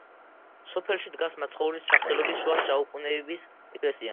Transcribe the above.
სოფელში დგას მაცხოვრის სახელობის შუა საუკუნეების ეკლესია.